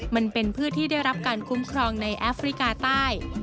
มันเป็นพืชที่ได้รับการคุ้มครองในแอฟริกาใต้